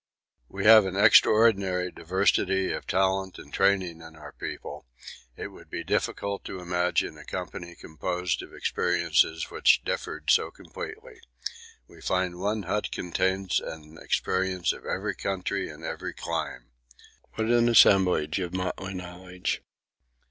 We have an extraordinary diversity of talent and training in our people; it would be difficult to imagine a company composed of experiences which differed so completely. We find one hut contains an experience of every country and every clime! What an assemblage of motley knowledge!